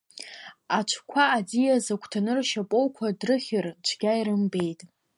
Аҽқәа аӡиас агәҭаны ршьапоуқәа дрыхьыр цәгьа ирымбеит.